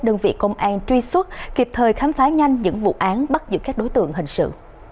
đơn vị công an truy xuất kịp thời khám phá nhanh những vụ án bắt giữ các đối tượng hình sự